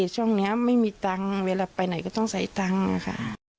ช่วงนี้ไม่มีตังค์เวลาไปไหนก็ต้องใส่ตังค์ค่ะ